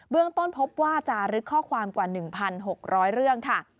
ต้นพบว่าจารึกข้อความกว่า๑๖๐๐เรื่องค่ะ